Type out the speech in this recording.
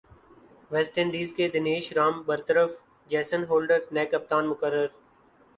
waste Indies کے دنیش رام برطرف Jason Holder نئے کپتان مقرر